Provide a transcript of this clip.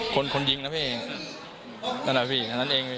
คนยิงนะพี่นั่นแหละพี่นั่นเองพี่